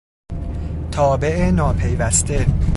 تابع ناپیوسته